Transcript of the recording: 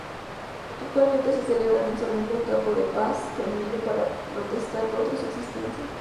Actualmente, se celebra mensualmente un campo de paz femenino para protestar contra su existencia.